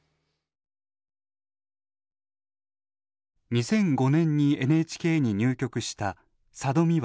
２００５年にＮＨＫに入局した佐戸未和記者。